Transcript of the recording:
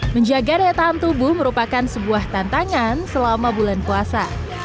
menjaga daya tahan tubuh merupakan sebuah tantangan selama bulan puasa